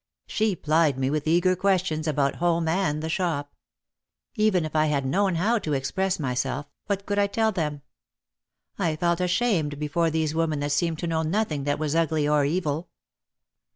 She plied me with eager questions, about home and the shop. Even if I had known how to express myself, what could I tell them? I felt ashamed before these women that seemed to know nothing that was ugly or evil.